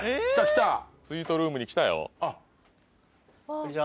・こんにちは。